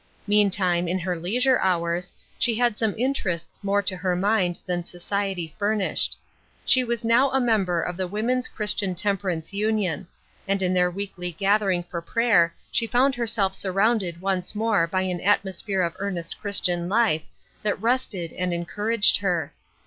Meantime, in her leisure hours, she had some interests more to her mind than society furnished. She was now a member of the Woman's Christian Temperance 152 THE WISDOM OF THIS WORLD. Union ; and in their weekly gathering for prayer she found herself surrounded once more by an atmosphere of earnest Christian life, that rested and encouraged her.